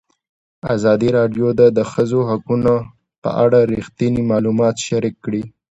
ازادي راډیو د د ښځو حقونه په اړه رښتیني معلومات شریک کړي.